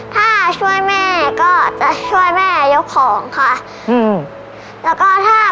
ถ้าช่วยแม่ก็จะช่วยแม่ยกของค่ะ